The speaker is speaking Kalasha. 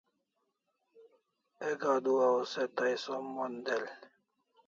Ek adua o se tai som mon del